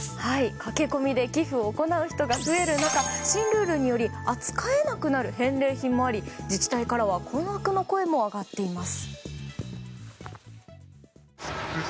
駆け込みで寄付を行う方が増える中新ルールにより扱えなくなる返礼品もあり、自治体からは困惑の声も上がっています。